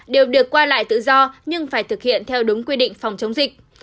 đều được qua lại tự do nhưng phải thực hiện theo đúng quy định phòng chống dịch